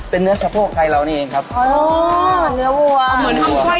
เป็นเนื้อชะโพกไทยเรานี่เองครับ